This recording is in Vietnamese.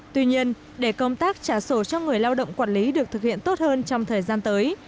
tuy nhiên để công tác trả sổ cho người lao động quản lý được thực hiện tốt hơn trong thời gian tới